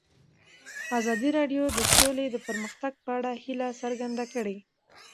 ازادي راډیو د سوله د پرمختګ په اړه هیله څرګنده کړې.